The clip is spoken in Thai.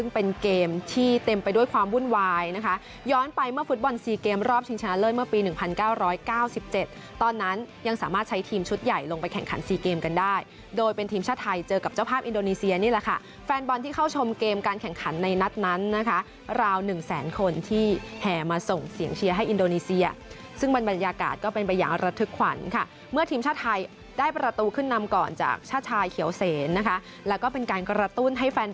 เป็นเกมที่เต็มไปด้วยความวุ่นวายนะคะย้อนไปเมื่อฟุตบอล๔เกมรอบชิงชนะเลิศเมื่อปี๑๙๙๗ตอนนั้นยังสามารถใช้ทีมชุดใหญ่ลงไปแข่งขัน๔เกมกันได้โดยเป็นทีมชาติไทยเจอกับเจ้าภาพอินโดนีเซียนี่แหละค่ะแฟนบอลที่เข้าชมเกมการแข่งขันในนัดนั้นนะคะราว๑แสนคนที่แห่มาส่งเสียงเชียวให้อ